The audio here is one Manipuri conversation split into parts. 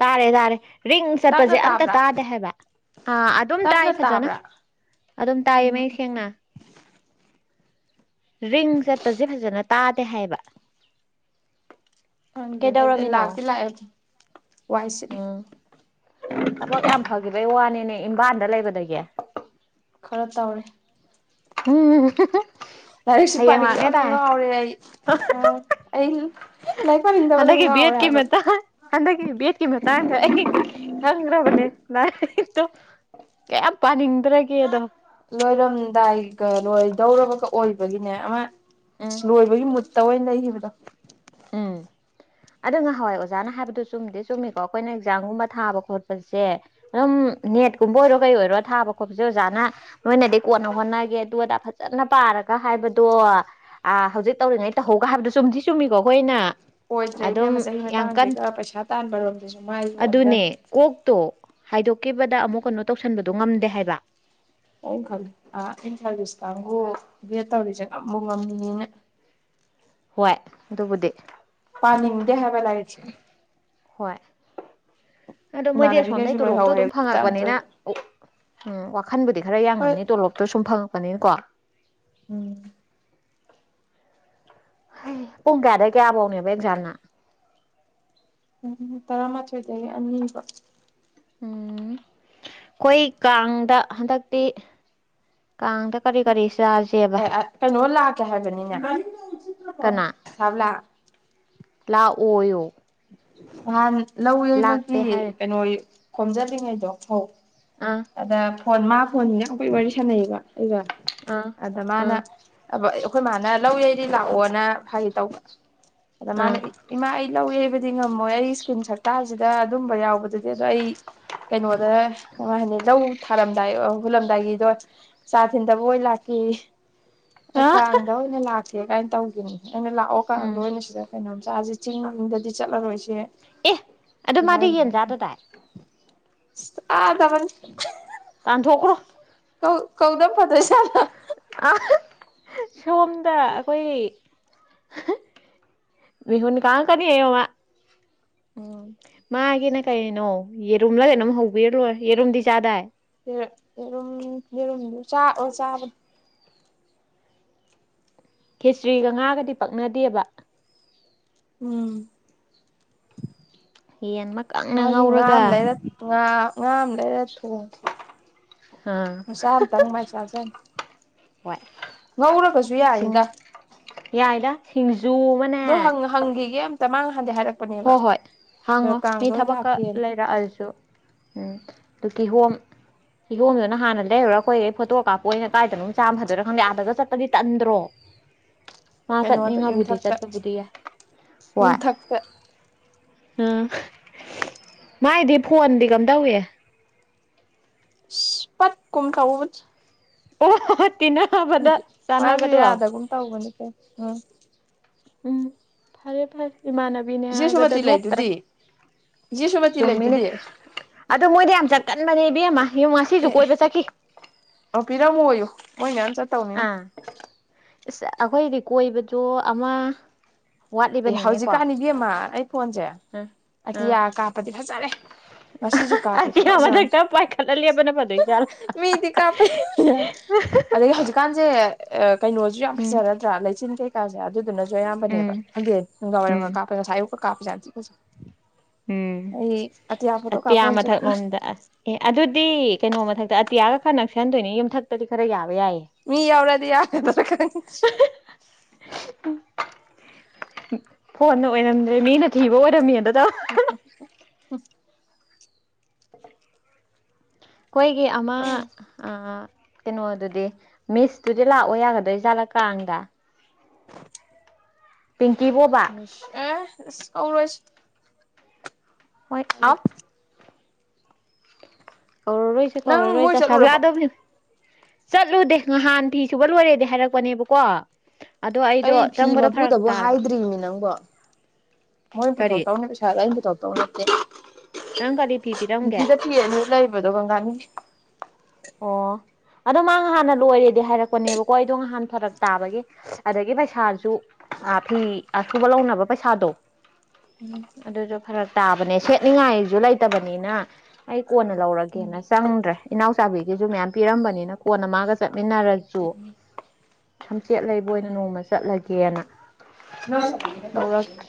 ꯇꯥꯔꯦ ꯇꯥꯔꯦ ꯔꯤꯡ ꯆꯠꯄꯁꯦ ꯇꯞꯅ ꯑꯝꯇ ꯇꯥꯕ꯭ꯔꯥ ꯇꯥꯗꯦ ꯍꯥꯏꯕ ꯑꯥ ꯑꯗꯨꯝ ꯇꯥꯏ ꯇꯞꯅ ꯐꯖꯅ ꯇꯥꯕ꯭ꯔꯥ ꯑꯗꯨꯝ ꯇꯥꯏꯌꯦ ꯎꯝ ꯃꯌꯦꯛ ꯁꯦꯡꯅ ꯔꯤꯡ ꯆꯠꯄꯁꯦ ꯐꯖꯅ ꯇꯥꯗꯦ ꯍꯥꯏꯕ ꯈꯪꯗꯗ ꯑꯗꯨꯗꯤ ꯀꯩꯗꯧꯔꯝꯃꯤꯅꯣ ꯂꯥꯛꯇꯤ ꯂꯥꯛꯑꯦ ꯑꯗꯨ ꯋꯥꯏ ꯁꯤ ꯎꯝ ꯊꯕꯛ ꯌꯥꯝ ꯐꯈꯤꯕꯩ ꯋꯥꯅꯤꯅꯦ ꯏꯝꯕꯥꯜꯗ ꯂꯩꯕꯗꯒꯤ ꯈꯔ ꯇꯧꯔꯦ ꯎꯝ ꯂꯁ ꯍꯌꯦꯡ ꯄꯅꯤꯉ ꯂꯥꯛꯅꯦ ꯑꯝ ꯇꯥꯏ ꯑꯩ ꯂꯥꯏꯔꯤꯛ ꯄꯥꯅꯤꯡꯗꯕꯅ ꯍꯦ ꯕꯤ ꯉꯥꯎꯔꯦ ꯑꯠ ꯀꯤ ꯍꯥꯏꯕ ꯃꯠꯇ ꯍꯟꯗꯛꯗꯒꯤ ꯕꯠꯀꯤ ꯃ ꯇꯗ ꯑꯩ ꯈꯪ꯭ꯔꯕꯅꯦ ꯂ ꯏꯠꯇꯣ ꯀꯌꯥꯝ ꯄꯥꯅꯤꯡꯗ꯭ꯔꯒꯦꯗꯣ ꯂꯣꯏꯔꯝꯗꯥꯏꯒ ꯂꯣꯏꯗꯧꯔꯕꯒ ꯑꯣꯏꯕꯒꯤꯅꯦ ꯑꯃ ꯎꯝ ꯒꯤ ꯃꯨꯠꯇ ꯑꯣꯏꯅ ꯂꯩ ꯍꯕꯗ ꯎꯝ ꯑ ꯉꯍꯥꯟꯋꯥꯏ ꯑꯣꯖꯥꯅ ꯍꯥꯏꯕꯗꯨꯣ ꯆꯨꯝꯗꯤ ꯆꯨꯝꯃꯤꯀꯣ ꯑꯩꯈꯣꯏꯅ ꯑꯦꯛꯖꯥꯝꯒꯨꯝꯕ ꯊꯥꯕ ꯈꯣꯠꯄꯁꯦ ꯑꯗꯨꯝ ꯅꯦꯠꯀꯨꯝꯕ ꯑꯣꯏꯔꯣ ꯀꯩ ꯑꯣꯏꯔꯣ ꯊꯥꯕ ꯈꯣꯠꯄꯁꯦ ꯑꯣꯖꯥꯅ ꯅꯣꯏꯅꯗꯤ ꯀꯣꯟꯅ ꯍꯣꯠꯅꯒꯦ ꯑꯗꯨ ꯑꯗꯥ ꯐꯖꯅ ꯄꯥꯔꯒ ꯍꯥꯏꯕꯗꯣ ꯑ ꯍꯧꯖꯤꯛ ꯇꯧꯔꯤꯉꯩ ꯇꯧꯍꯧꯒ ꯍꯥꯏꯕꯗꯨꯣ ꯆꯨꯝꯗꯤ ꯆꯨꯝꯃꯤꯀꯣ ꯑꯩꯈꯣꯏꯅ ꯑꯣꯏꯗ꯭ꯔꯦ ꯏꯕꯦꯝ ꯑꯗꯨꯝ ꯆꯍꯤ ꯌꯥꯝ ꯀꯟ ꯃꯇꯥꯡꯁꯤꯒ ꯄꯩꯁꯥ ꯇꯥꯟꯕꯔꯣꯝꯗꯁꯨ ꯃꯥꯏ ꯑꯣꯣꯟꯟꯖꯪꯉꯤ ꯑꯗꯨꯅꯦ ꯀꯣꯛꯇꯣ ꯍꯥꯏꯗꯣꯛꯈꯤꯕꯗ ꯑꯃꯨꯛ ꯀꯩꯅꯣ ꯇꯧꯁꯟꯕꯗꯣ ꯉꯝꯗꯦ ꯍꯥꯏꯕ ꯑꯣꯪ ꯈꯜꯂꯤ ꯑ ꯏꯪꯈꯥꯂꯁ ꯀꯥꯡꯕꯨ ꯒꯦꯠ ꯇꯧꯔꯤꯁꯦ ꯉꯝꯕꯨ ꯉꯝꯃꯤꯅ ꯍꯣꯏ ꯑꯗꯨꯕꯨꯗꯤ ꯄꯅꯤꯦ ꯍꯥꯏꯕ ꯂꯥꯛꯦꯆ ꯍꯣꯏ ꯑꯣ ꯃꯣꯏꯗꯤ ꯑꯁꯣꯝꯗꯩ ꯏꯃꯥꯟꯅꯕꯤꯈꯩꯁꯨ ꯇꯣꯂꯣꯞꯇꯣ ꯑꯗꯨꯝ ꯂꯣꯏꯍꯧꯔꯦ ꯒ꯭ꯔꯨꯞꯇ ꯐꯪꯉꯛꯄꯅꯤꯅ ꯑꯝꯇꯣꯏꯕ ꯑꯣ ꯎꯝ ꯋꯥꯈꯟꯕꯨꯗꯤ ꯈꯔ ꯍꯣꯏ ꯌꯥꯉꯝꯅꯤ ꯇꯣꯂꯣꯞꯇ ꯁꯨꯝ ꯐꯪꯉꯛꯄꯅꯤꯅꯀꯣ ꯎꯝ ꯍ ꯄꯨꯡ ꯀꯌꯥꯗꯒꯤ ꯀꯌꯥ ꯐꯧꯅꯦꯕ ꯑꯦꯛꯖꯥꯝꯅ ꯎꯝ ꯇꯔꯥꯃꯥꯊꯣꯏꯗꯒꯤ ꯑꯅꯤꯕ ꯎ ꯑꯩꯈꯣꯏ ꯀꯥꯡꯗ ꯍꯟꯗꯛꯇꯤ ꯀꯥꯡꯗ ꯀꯔꯤ ꯀꯔꯤꯁꯖꯤꯕ ꯑꯦ ꯀꯩꯅꯣ ꯂꯥꯛꯀꯦ ꯍꯥꯏꯕꯅꯤꯅꯦ ꯁꯥꯞ ꯂꯥꯛ ꯂꯥꯛꯑꯣꯌꯣ ꯅꯍꯥꯟ ꯂꯧ ꯌꯩꯕꯒꯤ ꯂꯥꯛꯇꯦ ꯍꯥꯏꯔꯦ ꯀꯩꯅꯣ ꯈꯣꯝꯖꯂꯤꯉꯩꯗꯣ ꯐꯧ ꯑꯥ ꯑꯗ ꯐꯣꯟ ꯃꯥ ꯐꯣꯟꯅꯤ ꯍꯧꯈꯣꯏ ꯋꯥꯔꯤ ꯁꯥꯟꯅꯩꯕ ꯑꯩꯒ ꯑꯥ ꯑꯗ ꯃꯥꯅ ꯑꯥ ꯑꯕ ꯑꯩꯈꯣꯏ ꯃꯥꯅ ꯂꯧ ꯌꯩꯗꯤ ꯂꯥꯛꯑꯣꯅ ꯍꯥꯏꯒ ꯇꯧꯕ ꯑꯗ ꯑꯥ ꯃꯥꯅ ꯏꯃꯥ ꯑꯩ ꯂꯧꯋꯦ ꯍꯥꯏꯕꯗꯤ ꯉꯝꯃꯣꯏ ꯑꯩ ꯏꯁ꯭ꯀꯨꯜ ꯁꯛꯇꯁꯤꯗ ꯑꯗꯨꯝꯕ ꯌꯥꯎꯕꯗꯨꯗꯤ ꯑꯗꯣ ꯑꯩ ꯀꯩꯅꯣꯗ ꯀꯃꯥꯏꯅ ꯂꯧ ꯊꯥꯔꯝꯗꯥꯏ ꯍꯨꯜꯂꯝꯗꯥꯏꯒꯤꯗꯣ ꯆꯥ ꯊꯤꯟꯗꯕ ꯑꯣꯏꯅ ꯂꯥꯛꯈꯤ ꯑꯥ ꯀꯥꯡꯗ ꯑꯣꯏꯅ ꯂꯥꯛꯀꯦ ꯀꯥꯏꯅ ꯇꯧꯈꯤꯅꯤ ꯑꯩꯅ ꯂꯥꯛꯑꯣ ꯀꯥꯡꯗ ꯎꯝ ꯑꯣꯏꯅ ꯁꯤꯗ ꯀꯩꯅꯣꯝ ꯆꯁꯤ ꯆꯤꯡꯗꯗꯤ ꯆꯠꯂꯔꯣꯏꯁꯦ ꯑꯦ ꯑꯗꯨ ꯃꯥꯗꯤ ꯌꯦꯟ ꯆꯥꯗꯗꯥꯏ ꯆꯗꯕꯅꯤ ꯇꯥꯟꯊꯣꯛꯈ꯭ꯔꯣ ꯀꯧ ꯀꯧꯗꯝ ꯐꯗꯣꯏ ꯖꯥꯠꯂ ꯁꯣꯝꯗ ꯑꯩꯈꯣꯏ ꯃꯤꯍꯨꯟ ꯀꯪꯂꯛꯀꯅꯤꯌꯣ ꯃꯥ ꯎꯝ ꯃꯥꯒꯤꯅ ꯀꯩꯅꯣ ꯌꯦꯔꯨꯝꯂꯒ ꯑꯗꯨꯝ ꯍꯧꯕꯤꯔ ꯂꯣꯏ ꯌꯦꯔꯨꯝꯗꯤ ꯆꯥꯗꯥꯏ ꯌꯦꯔꯨꯝ ꯌꯦꯔꯨꯝ ꯆꯥ ꯑꯣ ꯆꯥꯕ ꯈꯦꯆꯔꯤꯒ ꯉꯥꯒꯗꯤ ꯄꯛꯅꯗꯦꯕ ꯎꯝ ꯌꯦꯟ ꯑꯃ ꯀꯪꯅ ꯃꯥꯒꯤ ꯉꯥ ꯉꯧꯔꯒ ꯑꯃꯥ ꯂꯩꯔ ꯉꯥ ꯉꯥ ꯑꯃ ꯂꯩꯔ ꯊꯣꯡꯉꯁꯤ ꯍꯥꯥ ꯃꯆꯥ ꯑꯝꯇꯪ ꯃꯥꯏ ꯆꯥꯖꯅꯤ ꯋꯥꯠ ꯉꯧꯔꯒꯁꯨ ꯌꯥꯏꯅꯤꯗ ꯌꯥꯏꯗ ꯁꯤꯡꯖꯨ ꯑꯃꯅꯦ ꯍꯪꯒꯤꯒꯦ ꯇꯃꯥꯡ ꯍꯥꯟꯗ ꯍꯥꯏꯔ ꯍꯣꯏ ꯍꯣꯏ ꯍꯥꯡꯉꯣ ꯃꯤ ꯊꯕꯛꯀ ꯂꯥꯛꯀꯦꯅ ꯂꯩꯔꯛꯑꯁꯨ ꯎꯝ ꯑꯗꯨ ꯀꯤꯍꯣꯝ ꯀꯏꯍꯣꯝꯗꯨꯅ ꯍꯥꯟꯅ ꯂꯩꯔꯨꯔꯒ ꯑꯩꯈꯣꯏꯩ ꯐꯣ ꯀꯥꯞꯄꯣ ꯑꯣꯏꯅ ꯀꯥꯏꯗꯅꯣ ꯆꯥꯝꯕ ꯐꯗꯣꯏꯣ ꯈꯪꯗꯦꯥꯗꯒ ꯆꯠꯇꯄꯗꯤ ꯇꯟꯗ꯭ꯔꯣ ꯃꯥ ꯀꯩꯅꯣꯗ ꯆꯠꯅꯤꯡꯉꯕꯨꯗꯤ ꯌꯨꯝꯊꯛꯇ ꯆꯠꯄꯕꯨꯗꯤ ꯌꯥꯏ ꯍꯣꯏ ꯇ ꯎꯝ ꯃꯥꯏꯗꯤ ꯐꯣꯟꯗꯤ ꯀꯝꯗꯧꯋꯤ ꯄꯠ ꯀꯨꯝ ꯊꯥꯎ ꯑꯣ ꯇꯤꯟꯅꯕꯗ ꯃꯥꯁꯨ ꯆꯥꯟꯅꯕꯗꯣ ꯌꯥꯗꯒꯨꯝ ꯇꯧꯕꯅꯤ ꯀꯦ ꯎꯝ ꯎꯝ ꯐꯔꯦ ꯐꯔꯦ ꯏꯃꯥꯟꯅꯕ ꯃꯤꯅꯦ ꯏꯆꯦ ꯍꯥꯏꯕꯗ ꯁꯨꯃꯇꯤ ꯅꯣꯞꯇ꯭ꯔꯦ ꯂꯩꯗꯨꯗꯤ ꯏꯆꯦ ꯁꯨꯃꯇꯤ ꯆꯨꯝꯃꯤꯅꯦ ꯂꯩꯗꯨꯗꯤ ꯑꯗꯣ ꯃꯣꯏꯗꯤ ꯌꯥꯝ ꯆꯠꯀꯟꯕꯅꯦ ꯏꯕꯦꯝꯃ ꯌꯦꯉ ꯉꯁꯤꯁꯨ ꯑꯦ ꯀꯣꯏꯕ ꯆꯠꯈꯤ ꯑꯣ ꯄꯤꯔꯝꯃꯨ ꯑꯣꯏꯌꯨ ꯃꯣꯏ ꯃꯌꯥꯝ ꯆꯠ ꯑꯥ ꯑꯩꯈꯣꯏꯗꯤ ꯀꯣꯏꯕꯗꯣ ꯑꯃ ꯑꯦ ꯋꯥꯠꯂꯤꯕꯅꯤꯅꯦꯀꯣ ꯍꯧꯖꯤꯛꯀꯥꯟꯅꯤ ꯏꯕꯤꯃ ꯑꯩ ꯐꯣꯟꯁꯦ ꯎꯝ ꯎꯝ ꯑꯇꯤꯌꯥ ꯀꯥꯞꯄꯗꯤ ꯐꯖꯔꯦ꯫ ꯉꯁꯤꯁꯨ ꯀꯥꯞꯄꯦ ꯑꯇꯤꯌꯥ ꯈꯨꯐꯖꯥ ꯑꯃꯥ ꯃꯊꯛꯇ ꯄꯥꯏꯈꯠꯂ ꯂꯦꯞꯄꯅ ꯐꯗꯣꯏ ꯖꯥꯠꯂꯣ ꯃꯤꯗꯤ ꯀꯥꯞꯄꯩ ꯑꯗꯒꯤ ꯍꯧꯖꯤꯛꯀꯥꯟꯁꯦ ꯀꯩꯅꯣꯁꯨ ꯌꯥꯝ ꯎꯝ ꯐꯖꯔ ꯅꯠꯇ꯭ꯔꯥ ꯂꯩꯆꯤꯟ ꯀꯩꯀꯥꯁꯦ ꯑꯗꯨꯗꯨꯅꯁꯨ ꯑꯌꯥꯝꯕꯅꯦꯕ ꯎꯝ ꯍꯟꯗꯦꯟ ꯅꯨꯡꯗꯥꯡ ꯎꯝ ꯋꯥꯏꯔꯝꯒ ꯀꯥꯞꯄꯒ ꯉꯁꯥꯏ ꯑꯌꯨꯛꯀ ꯀꯥꯞꯁꯦ ꯌꯥꯝ ꯐꯖꯩ ꯫ ꯎꯝ ꯐꯣꯇꯣ ꯀꯥꯞꯄ ꯑꯇꯤꯌꯥ ꯑꯣꯏꯅ ꯆꯠꯈ꯭ꯔꯦ ꯃꯊꯛꯂꯣꯝꯗ ꯑꯦ ꯑꯗꯨꯗꯤ ꯀꯩꯅꯣ ꯃꯊꯛꯇ ꯑꯇꯤꯌꯥꯒ ꯈꯔ ꯅꯛꯁꯍꯟꯗꯣꯏꯅꯤ ꯌꯨꯝꯊꯛꯇꯗꯤ ꯈꯔ ꯌꯥꯕ ꯌꯥꯏꯌꯦ꯫ ꯃꯤ ꯌꯥꯑꯣꯔꯗꯤ ꯌꯥ ꯐꯣꯟꯅ ꯑꯣꯏꯔꯝꯗ꯭ꯔꯦ ꯃꯤꯅ ꯀꯤꯕ ꯑꯣꯏꯔꯝꯃꯤ ꯑꯗꯨꯗ ꯎꯝ ꯍ ꯑꯩꯈꯣꯏꯒꯤ ꯑꯃ ꯑ ꯀꯩꯅꯣꯗꯨꯗꯤ ꯃꯤꯁꯇꯨꯗꯤ ꯂꯥꯛꯑꯣ ꯌꯥꯒꯗꯣꯏꯖꯥꯠꯂꯀꯗ ꯄꯤꯡꯀꯤ ꯕꯣꯕꯥ ꯑꯦ ꯀꯧꯔꯣꯏꯁ꯫ ꯍꯣꯏ ꯑꯥꯎꯐ ꯀꯧꯔꯔꯣꯏꯁꯦ ꯅꯪ ꯃꯣꯏ ꯀꯧꯔꯔꯣꯏꯁ ꯆ ꯑꯁꯥꯕ ꯆꯠꯂꯨꯔꯕꯣ ꯌꯥꯥꯗꯧꯅꯦ꯫ ꯆꯠꯂꯨꯗꯦ ꯉꯍꯥꯟ ꯐꯤ ꯁꯨꯕ ꯂꯣꯏꯔꯦꯗꯤ ꯍꯥꯏꯔꯛꯄꯅꯦꯕꯀꯣ ꯑꯗꯣ ꯑꯩꯗꯣ ꯑꯩ ꯐꯤ ꯆꯪꯕꯗꯣ ꯐꯔꯛ ꯃꯄꯨꯗꯕꯨ ꯇꯥꯔꯕ ꯍꯥꯏꯗ꯭ꯔꯤꯅꯤ ꯅꯪꯕꯣ ꯃꯣꯏꯅ ꯀꯔꯤ ꯄꯨꯇꯣꯛꯅꯦ ꯄꯩꯁꯗ ꯑꯩꯅꯥ ꯄꯨꯊꯣꯛꯇꯣꯏ ꯅꯠꯇꯦ꯫ ꯅꯪ ꯀꯔꯤ ꯐꯤ ꯄꯤꯔꯝꯒꯦ꯫ ꯀꯤꯑꯅꯤ ꯂꯩꯕꯗꯣ ꯀꯪꯒꯥꯅꯤ꯫ ꯑꯣ ꯑꯗꯣ ꯃꯥ ꯍꯥꯟꯅ ꯂꯣꯏꯔꯦꯗꯤ ꯍꯥꯏꯔꯛꯄꯅꯦꯕꯀꯣ ꯑꯩꯗꯣ ꯉꯍꯥꯟ ꯐꯔꯛ ꯇꯥꯕꯒꯤ ꯑꯗꯒꯤ ꯄꯩꯁꯥꯁꯨ ꯑ ꯐꯤ ꯑ ꯁꯨꯕ ꯂꯧꯅꯕ ꯄꯩꯁꯥꯗꯣ ꯑꯗꯨꯁꯨ ꯐꯔꯛ ꯇꯥꯕꯅꯦ ꯁꯦꯠꯅꯤꯡꯉꯥꯏꯁꯨ ꯂꯩꯇꯕꯅꯤꯅ ꯑꯩ ꯀꯣꯟꯅ ꯎꯝ ꯂꯧꯔꯒꯦꯅ ꯆꯪꯗ꯭ꯔꯦ ꯏꯅꯥꯎ ꯆꯥꯕꯤꯒꯤꯁꯨ ꯃꯌꯥꯝ ꯄꯤꯔꯝꯕꯅꯤꯅ ꯀꯣꯟꯅ ꯃꯥꯒ ꯆꯠꯃꯤꯟꯅꯔꯁꯨ ꯁꯝꯆꯦꯠ ꯂꯩꯕ ꯑꯣꯏꯅ ꯅꯣꯡꯃ ꯆꯠꯂꯒꯦꯅ꯫ [unintelligible] ꯂꯧꯔꯛꯦ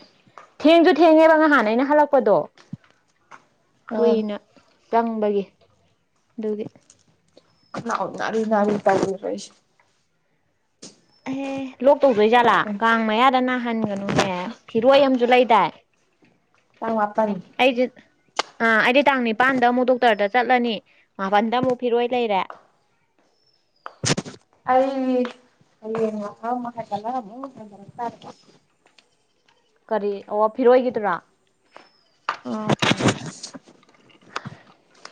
ꯊꯦꯡꯁꯨ ꯊꯦꯡꯉꯦꯕ ꯉꯍꯥꯟ ꯑꯩꯅ ꯍꯜꯂꯛꯄꯗꯣ ꯀꯨꯏꯅ ꯆꯪꯕꯒꯤ ꯑꯗꯨꯒꯤ꯫ ꯈꯅꯥꯑꯣꯅꯅꯤ ꯅꯤ ꯄꯔꯅꯦ ꯑꯩꯁꯦ꯫ ꯑꯦꯍꯦ ꯂꯣꯛ ꯇꯧꯗꯣꯏ ꯖꯥꯠꯂꯥ ꯀꯥꯡ ꯃꯌꯥꯗ ꯅꯥꯍꯟꯒꯅꯨꯍꯦ ꯐꯤꯔꯣꯏ ꯑꯃꯁꯝꯨ ꯂꯩꯗꯥꯏ꯫ ꯇꯪ ꯃꯄꯅ꯫ ꯑꯩꯗꯤ ꯑꯥ ꯑꯩꯗꯤ ꯇꯥꯡ ꯅꯤꯄꯥꯟꯗ ꯑꯃꯨꯛ ꯗꯣꯛꯇꯔꯗ ꯆꯠꯂꯅꯤ ꯃꯥꯄꯜꯗ ꯑꯃꯨꯛ ꯐꯤꯔꯣꯏ ꯂꯩꯔꯦ꯫ ꯑꯩ ꯑ ꯃꯈꯠꯇꯂꯔ ꯇ ꯀꯔꯤ ꯑꯣ ꯐꯤꯔꯣꯏꯒꯤꯗꯨꯔꯥ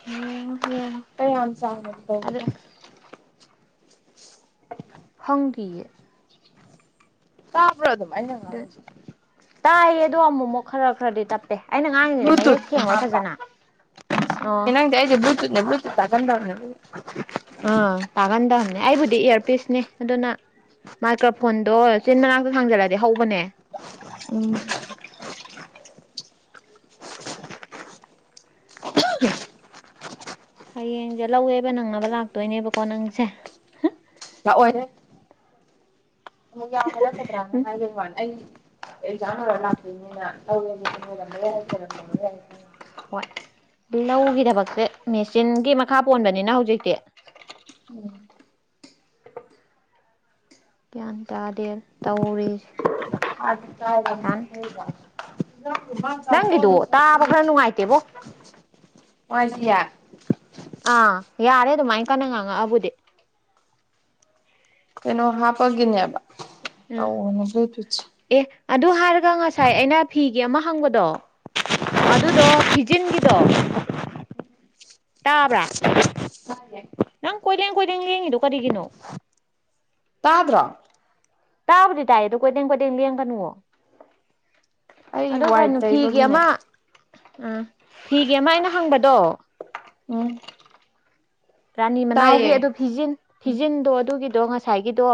ꯍꯝ ꯍ ꯀ ꯌꯥꯝ ꯆꯥꯡꯅ ꯇ ꯈꯟꯗꯤꯌꯦ꯫ ꯇꯥꯕ꯭ꯔꯣ ꯑꯗꯨꯝ ꯑꯩꯅ ꯑꯗꯨ ꯉꯥꯡꯁꯦ꯫ ꯇꯥꯏꯌꯦ ꯑꯗꯣ ꯑꯃꯨꯛꯃꯨꯛ ꯈꯔ ꯈꯔꯗꯤ ꯇꯞ ꯑꯩꯅ ꯉꯥꯡꯉꯤꯁꯤꯅꯦ ꯕ꯭ꯂꯨꯇꯨꯠ ꯃꯌꯦꯛ ꯊꯦꯡꯕ꯭ꯔꯥ ꯐꯖꯅ ꯑꯣ ꯈꯪꯗꯦ ꯑꯩꯒꯤ ꯕꯨꯂꯨꯇꯨꯠ [unintelligible] ꯑꯥ ꯇꯥꯒꯟꯗꯕꯅꯦ ꯑꯩꯕꯨꯗꯤ ꯏꯌꯥꯔꯄꯤꯁꯅꯦ ꯑꯗꯨꯅ ꯃꯥꯏꯀ꯭ꯔꯣꯐꯣꯟꯗꯣ ꯆꯤꯟ ꯃꯅꯥꯛꯇ ꯊꯥꯡꯖꯜꯂꯗꯤ ꯍꯧꯕꯅꯦ꯫ ꯎꯝ ꯍꯌꯦꯡꯁꯦ ꯂꯧꯋꯦꯕ ꯅꯪꯅꯕ ꯂꯥꯛꯇꯣꯏꯅꯦꯕꯀꯣ ꯅꯪꯁꯦ ꯂꯥꯛꯑꫭꯏ ꯌꯥꯎ ꯍꯥꯏ ꯅ ꯆꯗ꯭ꯔꯥꯅ ꯍꯥꯏꯒꯩ ꯋꯥꯅꯤ ꯑꯩ ꯖꯋꯥꯔ ꯂ ꯍꯥꯄꯤꯃ ꯍꯥꯏꯔ ꯃ ꯍꯥꯏꯦ ꯍꯣꯏ ꯂꯧꯒꯤ ꯊꯕꯛꯁꯦ ꯃꯦꯆꯤꯟꯒꯤ ꯃꯈꯥ ꯄꯣꯟꯕꯅꯤꯅ ꯍꯧꯖꯤꯛꯇꯤ ꯎꯝ ꯒ꯭ꯌꯥꯟ ꯇꯥꯗꯦ ꯇꯧꯔꯤ ꯑ ꯀꯕ ꯏ ꯅꯪꯒꯤꯗꯣ ꯇꯥꯕ ꯈꯔ ꯅꯨꯡꯉꯥꯏꯇꯦꯕꯣ ꯅꯨꯡꯉꯥꯏꯇꯤꯌꯥ ꯑꯥ ꯌꯥꯔꯦ ꯑꯗꯨꯃꯥꯏꯅ ꯀꯟꯅ ꯉꯥꯡꯉꯛꯑꯕꯨꯗꯤ ꯀꯩꯅꯣ ꯍꯥꯞꯄꯒꯤꯅꯦꯕ ꯎꯝ ꯑꯧꯅ ꯑꯗꯨꯠꯁꯦ ꯑꯦ ꯑꯗꯨ ꯍꯥꯏꯔꯒ ꯉꯁꯥꯏ ꯑꯩꯅ ꯐꯤꯒꯤ ꯑꯃ ꯍꯪꯕꯗꯣ ꯑꯗꯨꯗꯣ ꯐꯤꯖꯤꯟꯒꯤꯗꯣ ꯇꯥꯕ꯭ꯔꯥ ꯅꯪ ꯀꯣꯏꯂꯦꯡ ꯀꯣꯏꯂꯦꯡ ꯂꯡꯉꯤꯗꯣ ꯀꯔꯤꯒꯤꯅꯣ ꯇꯥꯗ꯭ꯔꯣ ꯇꯥꯕꯗꯤ ꯇꯥꯏ ꯑꯗꯨ ꯀꯣꯏꯗꯦꯡ ꯀꯣꯏꯗꯦꯡ ꯂ ꯌꯦꯡ ꯀꯅꯨ ꯑꯩ ꯑꯗꯣ ꯀꯩꯅꯣ ꯋꯥꯏꯠ ꯐꯤꯒꯤ ꯇꯩꯕꯒꯤꯅꯦ ꯑꯃ ꯎ ꯐꯤꯒꯤ ꯑꯃ ꯑꯩꯅ ꯍꯪꯕꯗꯣ ꯎꯝ ꯔꯥꯅꯤ ꯃꯅꯥꯎꯒꯤ ꯇꯥꯏꯌꯦ ꯑꯗꯨ ꯐꯤꯖꯤꯟ ꯐꯤꯖꯤꯟꯗꯣ ꯑꯗꯨꯒꯤꯗꯣ ꯉꯁꯥꯏꯒꯤꯗꯣ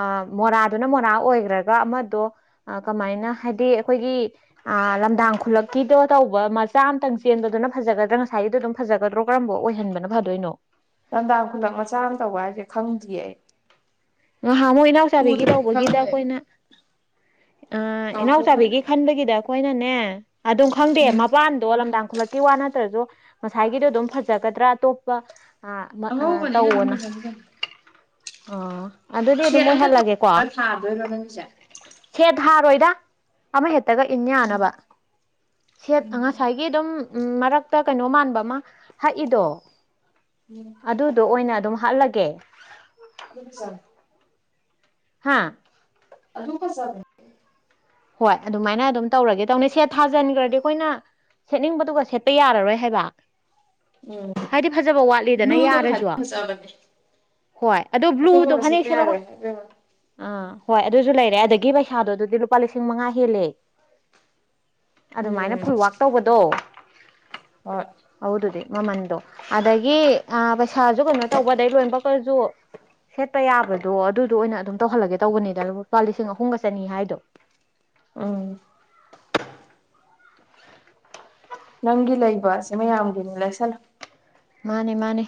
ꯑ ꯃꯣꯔꯥꯗꯨꯅ ꯃꯣꯔꯥ ꯑꯣꯏꯈ꯭ꯔꯒ ꯑꯃꯗꯣ ꯀꯃꯥꯏꯅ ꯍꯥꯏꯗꯤ ꯑꯩꯈꯣꯏꯒꯤ ꯑ ꯂꯝꯗꯥꯡ ꯈꯨꯂꯛꯀꯤꯗꯣ ꯇꯧꯕ ꯃꯆꯥ ꯑꯃꯇꯪ ꯆꯦꯟꯕꯗꯨꯅ ꯐꯖꯒꯗ꯭ꯔꯥ ꯉꯁꯥꯏꯒꯤꯗ ꯑꯗꯨꯝ ꯐꯖꯒꯗ꯭ꯔꯣ ꯀꯔꯝꯕ ꯑꯣꯏꯍꯟꯕꯅ ꯐꯥꯗꯣꯏꯅꯣ ꯂꯝꯗꯥꯡ ꯈꯨꯂꯛ ꯃꯆꯥ ꯑꯃ ꯇꯧꯕ ꯍꯥꯏꯁꯦ ꯈꯪꯗ꯭ꯔꯤꯌꯦ ꯑꯩ ꯉꯥꯏꯍꯥ ꯑꯃꯨꯛ ꯏꯅꯥꯎꯆꯥꯕꯤꯒꯤ ꯎꯗ꯭ꯔꯗꯤ ꯇꯧꯕꯒꯤꯗ ꯈꯪꯉꯣꯏ ꯑꯩꯈꯣꯏꯅ ꯑ ꯏꯅꯥꯎꯆꯥꯕꯤꯒꯤ ꯈꯟꯕꯒꯤꯗ ꯑꯩꯈꯣꯏꯅꯅꯦ ꯑꯗꯨꯝ ꯈꯪꯗꯦ ꯎꯝ ꯃꯄꯥꯟꯗꯣ ꯂꯝꯗꯥꯡ ꯈꯨꯂꯦ ꯀꯤ ꯋꯥ ꯅꯠꯇ꯭ꯔꯁꯨ ꯉꯁꯥꯏꯒꯤꯗꯣ ꯑꯗꯨꯝ ꯐꯖꯒꯗ꯭ꯔꯥ ꯑꯇꯣꯞꯄ ꯑ ꯑꯉꯧꯕꯅꯤꯅ ꯑꯗꯨꯝ ꯇꯧꯑꯣꯅ ꯐꯖꯕꯅꯤ ꯑꯥ ꯑꯗꯨꯗꯤ ꯑꯗꯨꯝ ꯁꯦꯠ ꯑꯝꯇ ꯃꯣꯏꯍꯜꯂꯒꯦꯀꯣ ꯊꯥꯗꯣꯏꯔꯣ ꯅꯪꯒꯤꯁꯦ ꯁꯦꯠ ꯊꯔꯣꯏꯗ ꯑꯃꯍꯦꯛꯇꯒ ꯏꯟ ꯌꯥꯅꯕ ꯁꯦꯠ ꯑꯉ ꯎꯝ ꯉꯁꯥꯏꯒꯤ ꯑꯗꯨꯝ ꯎ ꯃꯔꯛꯇ ꯀꯩꯅꯣ ꯃꯥꯟꯕ ꯑꯃ ꯍꯛꯏꯗꯣ ꯑꯗꯨ ꯑꯗꯨ ꯑꯣꯏꯅ ꯑꯗꯨꯝ ꯍꯥꯠꯂꯒꯦ ꯑꯆꯥ ꯍꯥꯥ ꯑꯗꯨꯨ ꯀꯁ ꯍꯣꯏ ꯑꯗꯨꯃꯥꯏꯅ ꯑꯗꯨꯝ ꯇꯧꯔꯒꯦ ꯇꯧꯅꯦ ꯁꯦꯠ ꯊꯥꯖꯤꯟꯈ꯭ꯔꯗꯤ ꯑꯩꯈꯣꯏꯅ ꯁꯦꯠꯅꯤꯡꯕꯗꯨꯒ ꯁꯦꯠꯄ ꯌꯥꯔꯔꯣꯏ ꯍꯥꯏꯕ ꯎꯝ ꯍꯥꯏꯗꯤ ꯐꯖꯕ ꯋꯥꯠꯂꯤꯗꯅ ꯕ꯭ꯂꯨꯗꯣ ꯌꯥꯔꯁꯨ ꯐꯖꯕꯅꯦ ꯍꯣꯏ ꯑꯗꯣ ꯕ꯭ꯂꯨꯗꯣ ꯑꯇꯣꯞꯄꯒ ꯁꯦꯠꯄ ꯐꯅꯦꯛꯁꯦꯂꯕ ꯌꯥꯔꯣꯏ ꯍꯥꯏꯕꯦꯝꯃ ꯑꯥ ꯍꯣꯏ ꯑꯗꯨꯁꯨ ꯂꯩꯔꯦ ꯑꯗꯨꯗꯒꯤ ꯄꯩꯁꯥꯗꯣ ꯑꯗꯨꯗꯤ ꯂꯨꯄꯥ ꯂꯤꯁꯤꯡ ꯃꯉꯥ ꯍꯦꯜꯂꯦ ꯑꯗꯨꯃꯥꯏꯅ ꯎꯝ ꯐꯨꯜꯋꯥꯛ ꯇꯧꯕꯗꯣ [unintelligible] ꯑꯗꯨꯗꯨꯗꯤ ꯃꯃꯟꯗꯣ ꯑꯗꯒꯤ ꯑ ꯄꯩꯁꯥꯁꯨ ꯀꯩꯅꯣ ꯇꯧꯕꯗꯩ ꯂꯣꯏꯅꯃꯛꯈꯁꯨ ꯁꯦꯠꯄ ꯌꯥꯕꯗꯣ ꯑꯗꯨꯗꯣ ꯑꯣꯏꯅ ꯑꯗꯨꯝ ꯇꯧꯍꯜꯂꯒꯦ ꯇꯧꯕꯅꯤꯗ ꯂꯨꯄꯥ ꯂꯤꯁꯤꯡ ꯑꯍꯨꯝꯒ ꯆꯅꯤ ꯍꯥꯏꯗꯣ ꯎꯝ ꯅꯪꯒꯤ ꯂꯩꯕꯁꯦ ꯃꯌꯥꯝꯒꯤꯅ ꯂꯩꯁꯜꯂ ꯃꯥꯅꯦ ꯃꯥꯅꯦ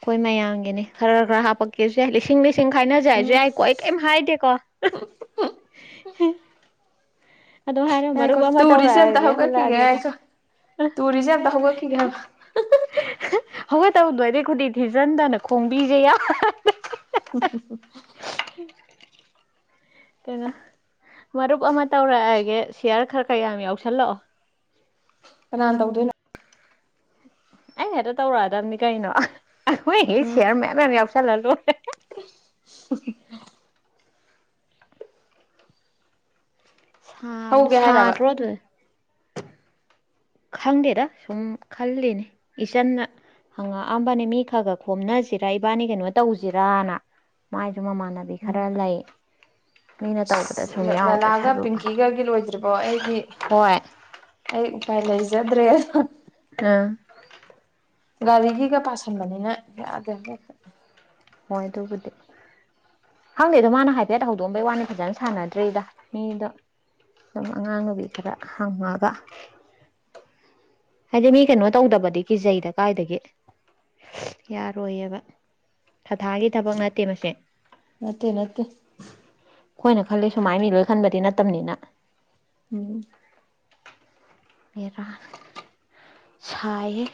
ꯑꯩꯈꯣꯏ ꯃꯌꯥꯝꯒꯤꯅꯤ ꯈꯔ ꯈꯔ ꯍꯥꯄꯛꯀꯦꯁꯨ ꯌꯥꯏ ꯂꯤꯁꯤꯡ ꯂꯤꯁꯤꯡ ꯈꯥꯏꯅꯖ ꯍꯥꯏꯁꯨ ꯎꯝ ꯌꯥꯏꯀꯣ ꯑꯩ ꯀꯩꯝ ꯍꯥꯏꯗꯦꯀꯣ [inaudible] ꯑꯗꯨ ꯍꯥꯏꯔ ꯌꯥꯀꯣ ꯃꯔꯨꯞ ꯑꯃ ꯇꯨꯔꯤꯁꯤꯑꯟ ꯇꯧꯔꯛꯑꯒꯦ ꯍꯨꯜꯂꯛꯑꯒꯦꯗ ꯍꯒꯀꯤꯒꯀꯣ ꯇꯨꯔꯤꯖꯝꯗ ꯍꯧꯒꯛꯈꯤꯒꯦ ꯍꯥꯏꯕ ꯍꯧꯒꯦ ꯇꯧꯗꯣ ꯑꯩꯗꯤꯩ ꯈꯨꯗꯤ ꯊꯤꯖꯤꯟꯗꯅ ꯈꯣꯡꯕꯤꯁꯦ ꯌꯥ ꯎ ꯎ ꯎ ꯀꯩꯅꯣ ꯃꯔꯨꯞ ꯑꯃ ꯇꯧꯔꯛꯑꯒꯦ ꯁꯤꯌꯥꯔ ꯈꯔ ꯀꯌꯥꯝ ꯌꯥꯎꯁꯜꯂꯛꯑꯣ ꯀꯅꯥ ꯇꯧꯗꯣꯏꯅꯣ ꯑꯩ ꯑꯗꯨ ꯇꯧꯔꯛꯑꯗꯕꯅꯤ ꯀꯩꯅꯣ ꯑꯩꯈꯣꯏ ꯎꯝ ꯁꯌꯔ ꯃꯌꯥꯝ ꯃꯌꯥꯝ ꯌꯥꯎꯁꯜꯂ ꯂꯣꯏꯔꯦ ꯁꯥꯕꯅ ꯍꯧꯒꯦ ꯍꯥꯏꯔꯕ ꯁꯥꯗ꯭ꯔꯣ ꯑꯗꯨ ꯈꯪꯗꯦꯗ ꯁꯨꯝ ꯈꯜꯂꯤꯅꯤ ꯏꯆꯟꯅ ꯍꯪꯉꯛꯑꯝꯕꯅꯦ ꯃꯤ ꯈꯔꯒ ꯈꯣꯝꯅꯁꯤꯔꯥ ꯏꯕꯥꯅꯤ ꯀꯩꯅꯣ ꯇꯧꯁꯤꯔꯅ ꯃꯥꯏꯁꯨ ꯃꯃꯥꯟꯅꯕꯤ ꯎꯝ ꯈꯔ ꯂꯩ ꯃꯤꯅ ꯇꯧꯕꯗ ꯁꯨꯝ ꯌꯥꯎꯗ ꯂꯂꯥꯒ ꯁꯔꯨꯛ ꯄꯤꯡꯀꯤꯒꯒꯤ ꯂꯣꯏꯗ꯭ꯔꯤꯕꯣ ꯑꯩꯗꯤ ꯍꯣꯏ ꯑꯩ ꯎꯄꯥꯏ ꯂꯩꯖꯗ꯭ꯔꯦ ꯑ ꯒꯥꯔꯤꯒꯤꯒ ꯄꯥꯁꯟꯕꯅꯤꯅ ꯌꯥꯗꯦꯕ ꯍꯦꯛꯇ ꯍꯣꯏ ꯑꯗꯨꯕꯨꯗꯤ ꯈꯪꯗꯦꯗꯣ ꯃꯥꯅ ꯍꯥꯏꯐꯦꯠ ꯍꯧꯗꯣꯛꯑꯝꯕꯩ ꯋꯥꯅꯤ ꯐꯖꯅ ꯁꯥꯟꯅꯗ꯭ꯔꯔꯤꯗ ꯃꯤꯗꯣ ꯑꯗꯨꯝ ꯑꯉꯥꯡꯅꯕꯤ ꯈꯔ ꯍꯪꯉꯒ ꯍꯥꯏꯗꯤ ꯃꯤ ꯀꯩꯅꯣ ꯇꯧꯗꯕꯗꯤ ꯀꯤꯖꯩꯗ ꯀꯥꯏꯗꯒꯤ ꯌꯥꯔꯣꯏꯌꯦꯕ ꯊꯊꯥꯒꯤ ꯊꯕꯛ ꯅꯠꯇꯦ ꯃꯁꯦ ꯅꯠꯇꯦ ꯅꯠꯇꯦ ꯈꯣꯏꯅ ꯈꯜꯂꯤ ꯁꯨꯃꯥꯏ ꯃꯤ ꯂꯣꯏ ꯈꯟꯕꯗꯤ ꯅꯠꯇꯕꯅꯤꯅ ꯎꯝ ꯁꯥꯏꯑꯦ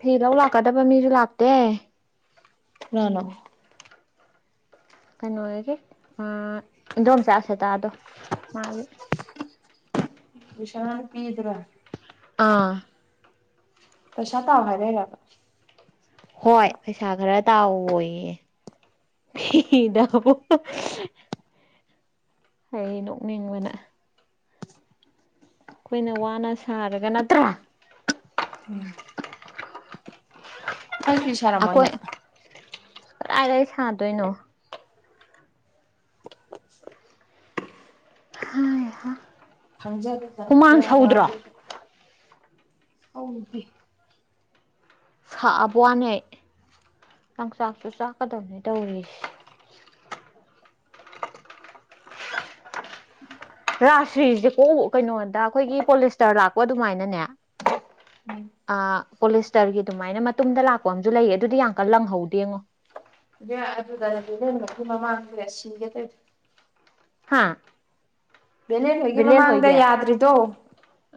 ꯐꯤ ꯂꯧ ꯂꯥꯛꯀꯗꯕ ꯃꯤꯁꯨ ꯂꯥꯛꯇꯦ [unintelligible] ꯀꯩꯅꯣꯒꯤ ꯏꯟꯗꯣꯝꯆꯥꯥ ꯑꯁꯥꯇꯥꯗꯣ ꯃꯥꯒꯤ [unintelligible] ꯑꯥ ꯄꯩꯁꯥ ꯇꯥꯎ ꯍꯥꯏꯔꯩꯔꯕ ꯍꯣꯏ ꯄꯩꯁꯥ ꯈꯔ ꯇꯥꯎꯑꯣꯌꯦ ꯐꯤꯗ ꯑꯩ ꯅꯣꯛꯅꯤꯡꯕꯅ ꯈꯣꯏꯅ ꯋꯥꯅ ꯁꯥꯔꯒ ꯅꯠꯇ꯭ꯔꯥ ꯎꯝ [unintelligible] ꯑꯈꯣꯏ ꯀꯔꯥꯏꯗꯩ ꯁꯥꯗꯣꯏꯅꯣ [unintelligible] ꯈꯪꯖꯗꯦꯗꯅ ꯍꯨꯃꯥꯡ ꯀꯌꯥꯝ ꯁꯧꯗ꯭ꯔꯣ ꯋꯥꯒꯦꯗ [unintelligible] ꯁꯥꯕ ꯋꯥꯅꯦ ꯂꯪꯆꯥꯛꯁꯨ ꯆꯥꯛꯀꯗꯧꯅꯦ ꯇꯧꯔꯤꯁꯦ [unintelligible] ꯔꯥꯁꯔꯤꯁꯦꯀꯣ ꯀꯩꯅꯣꯗ ꯑꯩꯈꯣꯏꯒꯤ ꯄꯣꯂꯤꯁꯇꯔ ꯂꯥꯛꯄ ꯑꯗꯨꯃꯥꯏꯅꯅꯦ ꯎꯝ ꯑ ꯄꯣꯂꯤꯁꯇꯔꯒꯤ ꯑꯗꯨꯃꯥꯏꯅ ꯃꯇꯨꯡꯨꯝꯗ ꯂꯥꯛꯄ ꯑꯝꯨ ꯂꯩꯌꯦ ꯑꯗꯨꯗꯤ ꯌꯥꯝ ꯀꯟꯅ ꯂꯪꯍꯧꯗꯦꯡꯉꯣ ꯑꯗꯨꯗꯅꯗꯤ ꯅ ꯃꯀꯤ ꯃꯃꯥꯡꯗꯨ ꯁꯤꯒꯦ ꯀꯗ ꯍꯥ ꯚꯦꯂꯦꯟꯈꯣꯏꯒꯤ ꯕꯤꯂꯦꯟ ꯃꯃꯥꯡꯗ ꯍꯣꯏꯒꯤ ꯌꯥꯗ꯭ꯔꯤꯗꯣ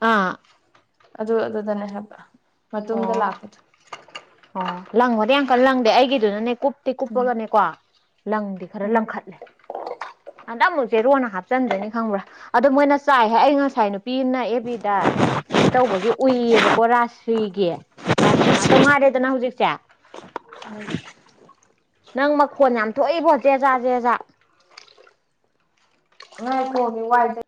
ꯑꯥ ꯑꯗꯨ ꯑꯗꯨꯗꯅꯦ ꯍꯥꯏꯕ ꯃꯇꯨꯝꯗ ꯑꯣ ꯂꯥꯛꯄꯗꯣ ꯑꯣ ꯂꯪꯕꯗꯤ ꯌꯥꯝꯡꯀꯜ ꯂꯪꯗꯦ ꯑꯩꯒꯤꯗꯨꯅꯅꯦ ꯀꯨꯞꯇꯤ ꯎꯝ ꯀꯨꯞꯄꯒꯅꯦꯀꯣ ꯂꯪꯗꯤ ꯈꯔ ꯎꯝ ꯂꯪꯈꯠꯂꯦ ꯑꯅꯪꯕ ꯖꯦꯔꯣꯅ ꯍꯥꯞꯆꯟꯗꯣꯏꯅꯤ ꯈꯪꯕ꯭ꯔꯥ ꯑꯗꯣ ꯃꯣꯏꯅ ꯆꯥꯏꯍꯦ ꯑꯩ ꯉꯁꯥꯏ ꯅꯨ ꯄꯤ ꯑꯝꯅ ꯑꯦꯕꯤꯗ ꯀꯩꯅꯣ ꯇꯧꯕꯒꯤ ꯎꯏꯌꯦꯕꯀ‌ꯣ ꯔꯥꯁ ꯐꯤꯒꯤ ꯔꯥꯁꯔꯤ ꯉꯥꯛꯇ ꯉꯥꯏꯔꯦꯗꯅ ꯍꯨꯖꯤꯛꯁꯦ [inaudible] ꯅꯪ ꯃꯈꯣꯟ ꯌꯥꯝ ꯊꯣꯛꯏꯕꯣ ꯖꯦꯖꯥ ꯖꯦꯖꯥ ꯉꯥꯏꯈꯣꯃꯤ ꯋꯥꯏ